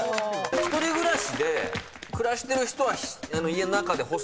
１人暮らしで暮らしてる人は家の中で干す。